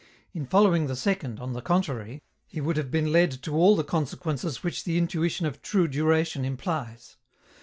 In following the second, on the contrary, he would have been led to all the consequences which the intuition of true duration implies.